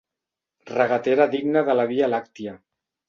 Regatera digna de la via làctia.